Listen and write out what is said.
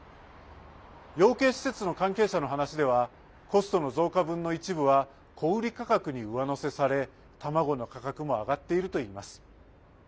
養鶏施設の関係者の話ではコストの増加分の一部は小売価格に上乗せされ卵の価格も上がっているといいます。